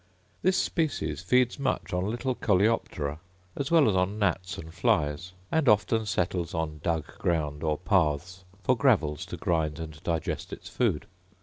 This species feeds much on little coleoptera, as well as on gnats and flies: and often settles on dug ground, or paths, for gravels to grind and digest its food.